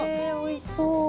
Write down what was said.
「おいしそう！」